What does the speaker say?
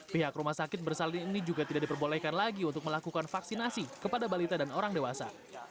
pihak rumah sakit bersalin ini juga tidak diperbolehkan lagi untuk melakukan vaksinasi kepada balita dan orang dewasa